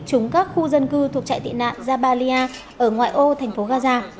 trúng các khu dân cư thuộc chạy tị nạn jabalia ở ngoại ô thành phố gaza